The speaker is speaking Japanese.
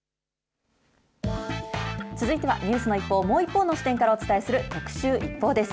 続いては、ニュースの一報をもう一方の視点からお伝えする特集、ＩＰＰＯＵです。